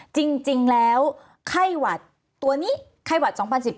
จริงแล้วไข้หวัดตัวนี้ไข้หวัด๒๐๑๙